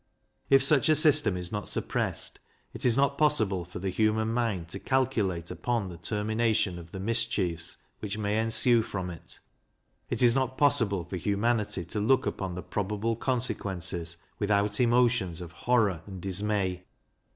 If such a system is not suppressed, it is not possible for the human mind to calculate upon the termination of the mischiefs which may ensue from it; it is not possible for humanity to look upon the probable consequences, without emotions of horror and dismay.